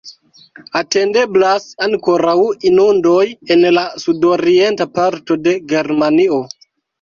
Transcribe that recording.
Atendeblas ankoraŭ inundoj en la sudorienta parto de Germanio.